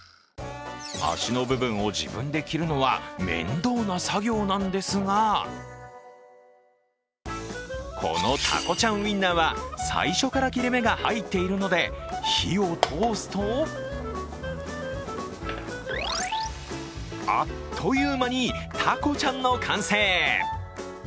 足の部分を自分で切るのは面倒な作業なんですが、このタコちゃんウインナーは最初から切れ目が入っているので火を通すとあっという間にタコちゃんの完成。